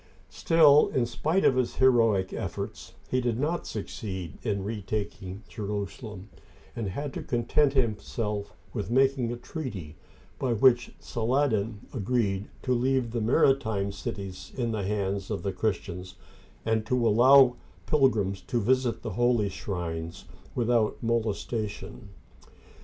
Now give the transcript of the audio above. Still, in spite of his heroic efforts, he did not succeed in retaking Jerusalem, and had to content himself with making a treaty by which Saladin agreed to leave the maritime cities in the hands of the Christians, and to allow pilgrims to visit the holy shrines without molestation.